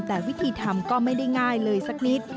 แต่วิธีทำก็ไม่ได้ง่ายเลยสักนิด